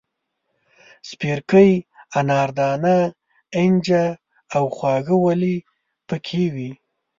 سپیرکۍ، اناردانه، اینجه او خواږه ولي پکې وې.